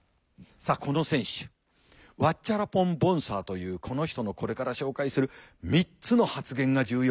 さあこの選手ワッチャラポン・ボンサーというこの人のこれから紹介する「３つの発言」が重要。